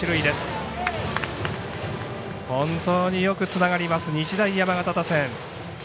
本当によくつながります日大山形打線。